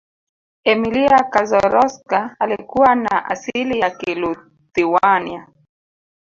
emilia kaczorowska alikuwa na asili ya kiluthiwania